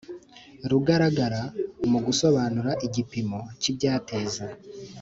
Rugaragara mu gusobanura igipimo cy ibyateza